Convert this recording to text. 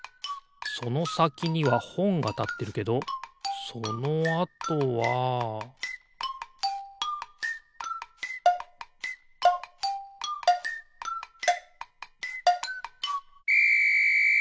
そのさきにはほんがたってるけどそのあとはピッ！